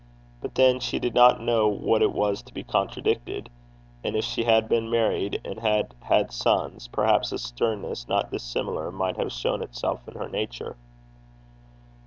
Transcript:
But then she did not know what it was to be contradicted; and if she had been married, and had had sons, perhaps a sternness not dissimilar might have shown itself in her nature.